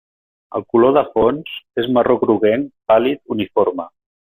El color de fons és marró-groguenc pàl·lid uniforme.